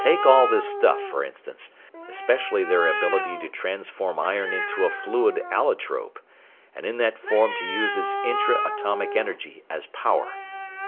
Take all this stuff, for instance; especially their ability to transform iron into a fluid allotrope, and in that form to use its intra atomic energy as power.